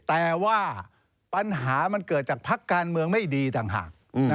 แต่ว่าปัญหามันเกิดจากพักการเมืองไม่ดีต่างหาก